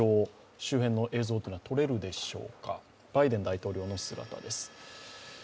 周辺の映像はとれるでしょうか、バイデン大統領の姿です。